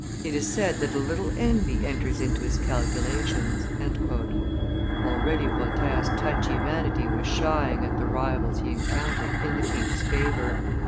It is said that a little envy enters into his calculations." Already Voltaire's touchy vanity was shying at the rivals he encountered in the king's favor.